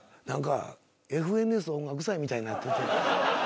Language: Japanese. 何かＦＮＳ音楽祭みたいになってて。